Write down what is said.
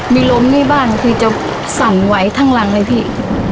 มีล้มในบ้านคือจะสั่งไว้ทางหลังเลยพี่